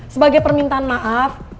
sebagai permintaan maaf